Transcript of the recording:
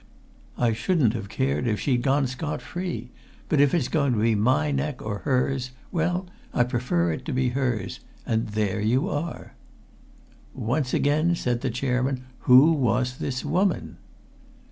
I shouldn't have cared if she'd gone scot free. But if it's going to be my neck or hers, well, I prefer it to be hers. And there you are!" "Once again," said the chairman, "who was this woman?"